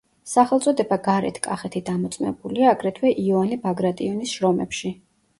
სახელწოდება გარეთ კახეთი დამოწმებულია, აგრეთვე იოანე ბაგრატიონის შრომებში.